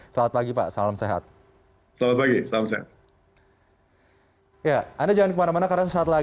selamat pagi pak salam sehat